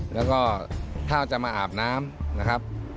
แล้วก็ถ้าจะมาอาบน้ำนะครับ